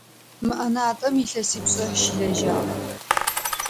Мы ӏэнатӏэм илъэсипшӏэ щылэжьагъ.